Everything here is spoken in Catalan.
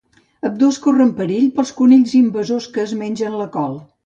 Ambdós corren perill pels conills invasors que es mengen la col.